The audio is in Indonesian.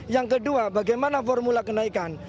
yang kedua bagaimana formula kenaikan